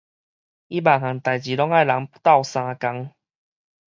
伊萬項代誌攏愛人鬥相共